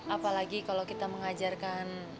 apalagi kalau kita mengajarkan